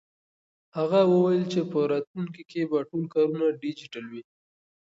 هغه وویل چې په راتلونکي کې به ټول کارونه ډیجیټل وي.